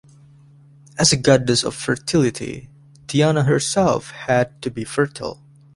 As a goddess of fertility, Diana herself had to be fertile.